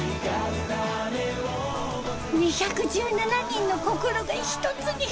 ２１７人の心が１つに。